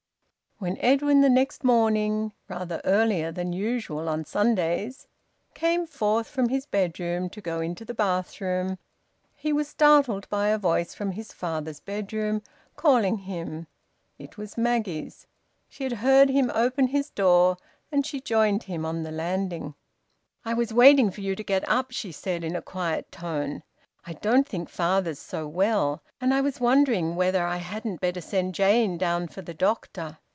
When Edwin the next morning, rather earlier than usual on Sundays, came forth from his bedroom to go into the bathroom, he was startled by a voice from his father's bedroom calling him. It was Maggie's. She had heard him open his door, and she joined him on the landing. "I was waiting for you to be getting up," she said in a quiet tone. "I don't think father's so well, and I was wondering whether I hadn't better send Jane down for the doctor.